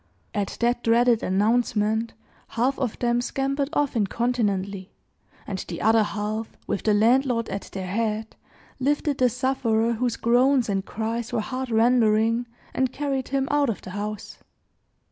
At that dreaded announcement, half of them scampered off incontinently; and the other half with the landlord at their head, lifted the sufferer whose groans and cries were heart rendering, and carried him out of the house.